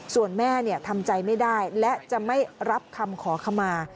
ส่วนแม่ทำใจไม่ได้และจะไม่รับคำขอขมา